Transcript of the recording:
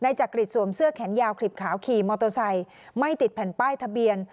จักริตสวมเสื้อแขนยาวขลิบขาวขี่มอเตอร์ไซค์ไม่ติดแผ่นป้ายทะเบียน